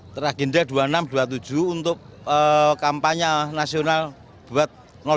teragenda dua ribu enam ratus dua puluh tujuh untuk kampanye nasional buat dua